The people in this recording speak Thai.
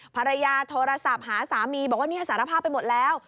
ภรรยาโทรศัพท์หาสามีบอกว่าเนี่ยสารภาพไปหมดแล้ว